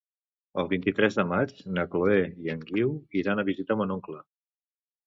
El vint-i-tres de maig na Chloé i en Guiu iran a visitar mon oncle.